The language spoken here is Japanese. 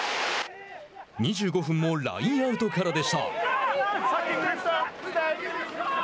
２５分もラインアウトからでした。